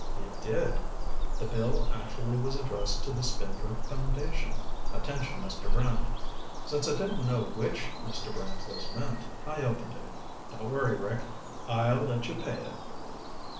"It did. The bill actually was addressed to the Spindrift Foundation, attention Mr. Brant. Since I didn't know which Mr. Brant was meant, I opened it. Don't worry, Rick. I'll let you pay it."